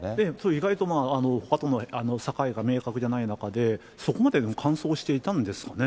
意外との境が明確じゃない中で、そこまで乾燥していたんですかね。